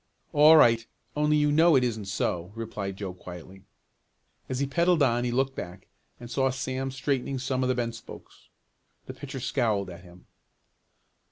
"All right, only you know it isn't so," replied Joe quietly. As he pedaled on he looked back and saw Sam straightening some of the bent spokes. The pitcher scowled at him.